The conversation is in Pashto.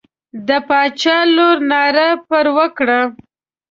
د باچا لور ناره پر وکړه.